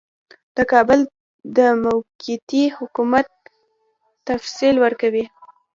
د کابل د موقتي حکومت تفصیل ورکوي.